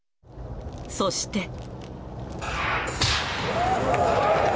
そして。